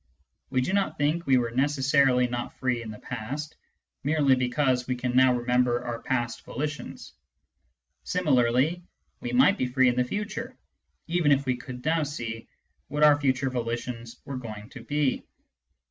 We do not think we were necessarily not free in the past, merely because we can now remember our past volitions. Similarly, we might be free in the future, even if we could now sec what our future volitions were going to be.